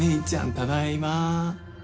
ただいま。